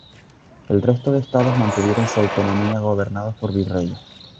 El resto de estados mantuvieron su autonomía gobernados por virreyes.